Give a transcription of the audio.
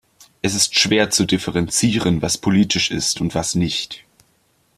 Es ist schwer zu differenzieren, was politisch ist und was nicht.